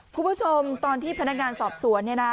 คุณผู้ชมตอนที่พนักงานสอบสวนเนี่ยนะ